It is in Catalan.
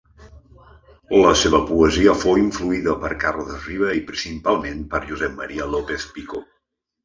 La seva poesia fou influïda per Carles Riba i principalment per Josep Maria López-Picó.